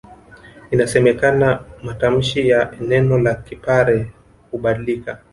Inasemekana matamshi ya neno la Kipare hubadilika